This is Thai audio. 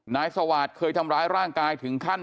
นายสวาสตร์เคยทำร้ายร่างกายถึงขั้น